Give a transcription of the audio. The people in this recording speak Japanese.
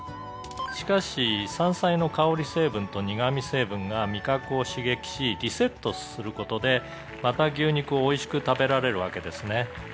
「しかし山菜の香り成分と苦み成分が味覚を刺激しリセットする事でまた牛肉をおいしく食べられるわけですね」